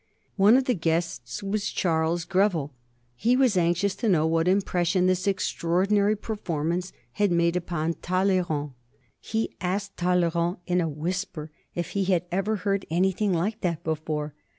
One of the guests was Charles Greville. He was anxious to know what impression this extraordinary performance had made upon Talleyrand. He asked Talleyrand in a whisper if he had ever heard anything like that before.